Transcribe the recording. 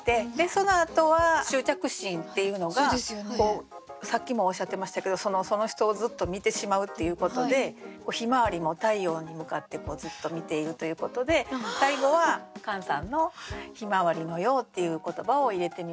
そのあとは「執着心」っていうのがさっきもおっしゃってましたけどその人をずっと見てしまうっていうことでひまわりも太陽に向かってずっと見ているということで最後はカンさんの「ひまわりのよう」っていう言葉を入れてみました。